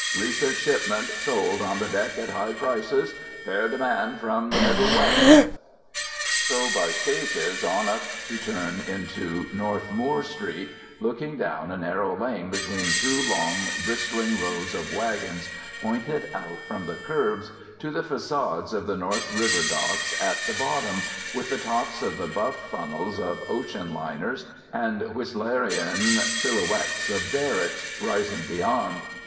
Recent shipment sold on the deck at high prices. Fair demand from the Middle West." So, by stages, on up to turn into North Moore Street, looking down a narrow lane between two long bristling rows of wagons pointed out from the curbs, to the façades of the North River docks at the bottom, with the tops of the buff funnels of ocean liners, and Whistleranean silhouettes of derricks, rising beyond.